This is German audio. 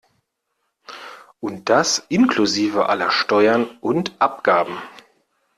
Und das inklusive aller Steuern und Abgaben.